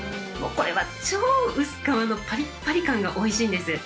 もうこれは超薄皮のぱりぱり感がおいしいんです。